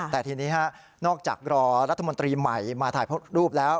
แต่ทีนี้นอกจากรอรัฐมนตรีใหม่มาถ่ายรูปแล้ว